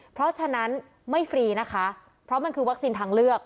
เพราะฉะนั้นไม่ฟรีนะคะเพราะมันคือวัคซีนทางเลือก